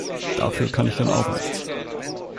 Dafür kann ich dann auch nichts!